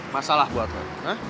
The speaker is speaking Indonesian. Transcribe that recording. masalah buat lo ha